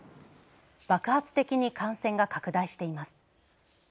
爆発的に感染が拡大しています。